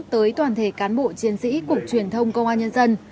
tới toàn thể cán bộ chiến sĩ cục truyền thông công an nhân dân